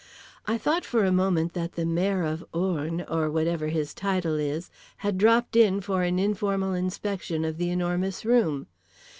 I thought for a moment that the Mayor of Orne, or whatever his title is, had dropped in for an informal inspection of The Enormous Room.